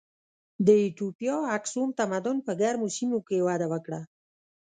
د ایتوپیا اکسوم تمدن په ګرمو سیمو کې وده وکړه.